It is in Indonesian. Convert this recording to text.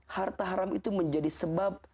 harta haram itu menjadi sebab